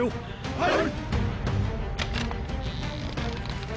はい！